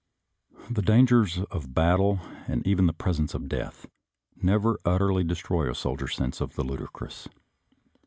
The dangers of a battle, and even the presence of death, never utterly destroy a soldier's sense of the ludicrous.